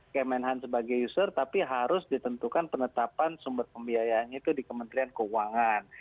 kemenhan sebagai user tapi harus ditentukan penetapan sumber pembiayaannya itu di kementerian keuangan